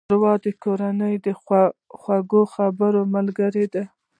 ښوروا د کورنۍ د خوږو خبرو ملګرې ده.